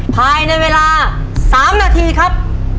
ภายในเวลา๓นาทีครับ